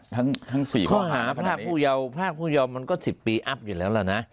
ทั้งทั้งสี่ข้อหาข้อหาภาคผู้เยาว์ภาคผู้เยามันก็สิบปีอัพอยู่แล้วล่ะนะ